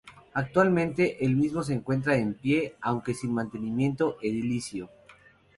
Actualmente el mismo se encuentra en pie, aunque sin mantenimiento edilicio.